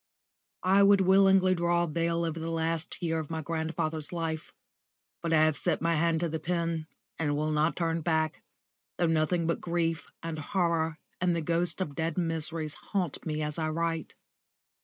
"*_ I would willingly draw a veil over the last year of my grandfather's life, but I have set my hand to the pen and will not turn back, though nothing but grief and horror and the ghosts of dead miseries haunt me as I write.